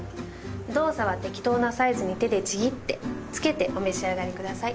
ドーサは適当なサイズに手でちぎってつけてお召し上がりください。